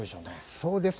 そうですね。